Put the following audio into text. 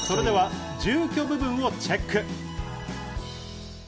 では、住居部分をチェック。